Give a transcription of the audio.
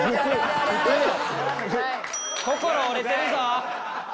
心折れてるぞ！